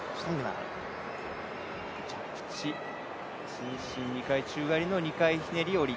伸身２回宙返りの２回ひねり下り。